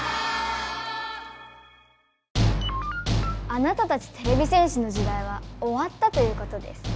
あなたたちてれび戦士の時代はおわったということです。